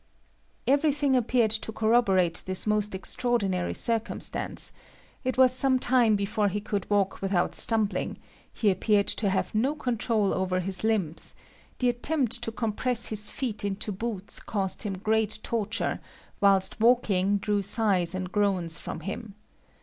Everything appeared to corroborate this most extraordinary circumstance; it was some time before he could walk without stumbling; he appeared to have no control over his limbs; the attempt to compress his feet into boots caused him great torture, whilst walking drew sighs and groans from him.